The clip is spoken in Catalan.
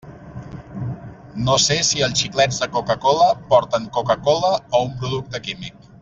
No sé si els xiclets de Coca-cola porten Coca-cola o un producte químic.